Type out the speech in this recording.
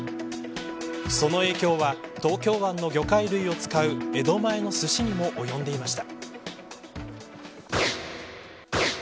その影響は東京湾の魚介類を使う江戸前のすしにも及んでいました。